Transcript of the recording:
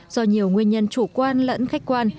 do nhiều nguyên nhân chủ quan lẫn khách quan